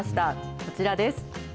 こちらです。